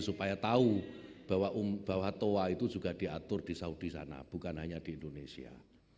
supaya tahu bahwa toa itu juga diatur di saudi sana bukan hanya di indonesia